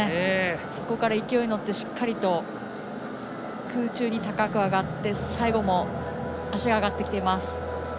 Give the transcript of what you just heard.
そこから勢いに乗ってしっかりと空中に高く上がって最後も足が上がってきています。